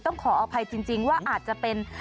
ต้องขออภัยจริงว่าอาจจะเป็น